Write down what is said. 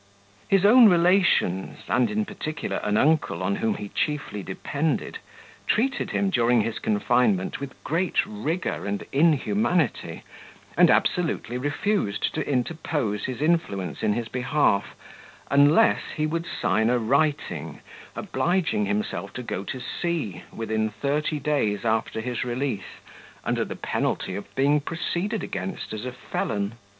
His own relations, and in particular an uncle on whom he chiefly depended, treated him during his confinement with great rigour and inhumanity and absolutely refused to interpose his influence in his behalf, unless he would sign a writing, obliging himself to go to sea within thirty days after his release, under the penalty of being proceeded against as a felon.